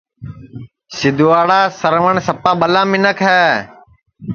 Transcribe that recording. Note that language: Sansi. سیدھواڑا سروٹؔ سپا ٻلا منکھ ہے